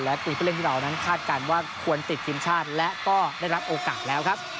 และคือผู้เล่นที่เรานั้นคาดการณ์ว่าควรติดทีมชาติและก็ได้รับโอกาสแล้วครับ